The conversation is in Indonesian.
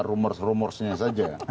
bukan rumus rumusnya saja